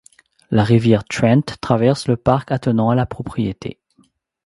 La rivière Trent traverse le parc attenant à la propriété.